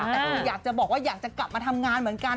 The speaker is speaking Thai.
แต่คืออยากจะบอกว่าอยากจะกลับมาทำงานเหมือนกัน